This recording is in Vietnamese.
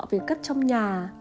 về cất trong nhà